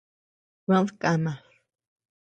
Kued kamad.